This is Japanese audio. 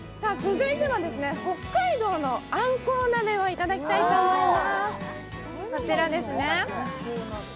北海道のあんこう鍋をいただきたいと思います。